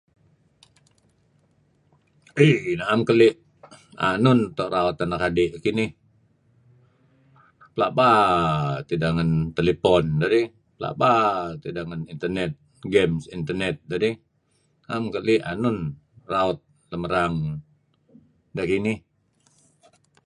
Iih 'am narih keli' enun neto' raut anak adi' kinih, pelaba err tideh ngen telepon dedih, pelaba tideh ngen internet games internet dedih, am keli' enun raut lem erang deh kinih.